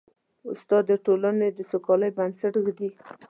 استاد د ټولنې د سوکالۍ بنسټ ږدي.